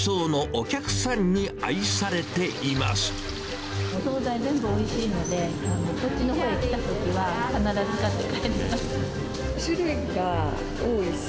お総菜、全部おいしいので、こっちの方に来たときは、必ず買って帰ります。